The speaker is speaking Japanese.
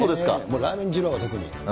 ラーメン二郎は特に。